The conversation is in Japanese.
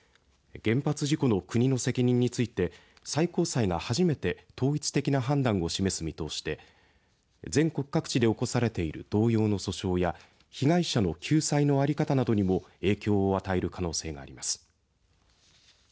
原発事故の国の責任について最高裁が初めて統一的な判断を示す見通しで全国各地で起こされている同様の訴訟や被害者の救済の在り方などにも影響を与える可能性があります。